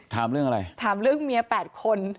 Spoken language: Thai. ถามเรื่องอะไรถามเรื่องเมีย๘คน